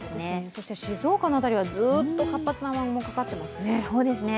そして静岡の辺りはずっと活発な雨雲かかってますね。